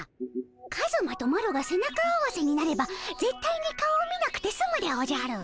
カズマとマロが背中合わせになればぜったいに顔を見なくてすむでおじゃる。